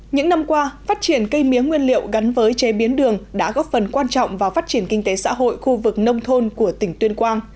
những năm qua phát triển cây mía nguyên liệu gắn với chế biến đường đã góp phần quan trọng vào phát triển kinh tế xã hội khu vực nông thôn của tỉnh tuyên quang